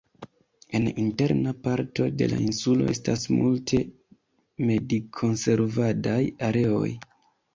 En interna parto de la insulo estas multe medikonservadaj areoj.